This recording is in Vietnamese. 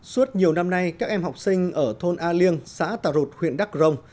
suốt nhiều năm nay các em học sinh ở thôn a liêng xã tà rột huyện đắc rồng